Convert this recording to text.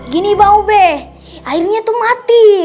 gini bang ube airnya tuh mati